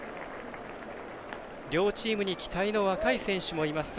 両チームに期待の若い選手もいます